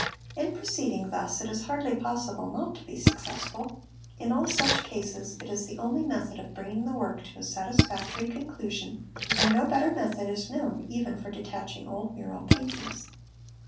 In proceeding thus it is hardly possible not to be successful; in all such cases it is the only method of bringing the "work to a satisfactory conclusion and no better method is known even for | letaching old mural paintings.